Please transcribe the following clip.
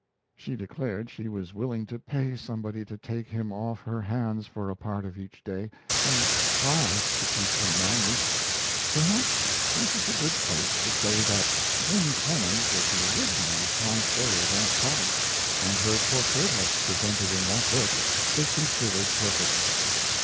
She declared she was willing to pay somebody to take him off her hands for a part of each day and try to teach him manners. Perhaps this is a good place to say that Jane Clemens was the original of Tom Sawyer's "Aunt Polly," and her portrait as presented in that book is considered perfect.